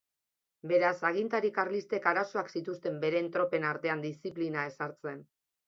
Beraz, agintari karlistek arazoak zituzten beren tropen artean diziplina ezartzen.